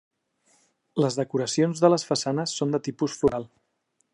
Les decoracions de les façanes són de tipus floral.